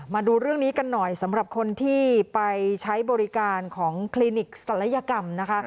มาดูเรื่องนี้กันหน่อยสำหรับคนที่ไปใช้บริการของคลินิกศัลยกรรมนะคะ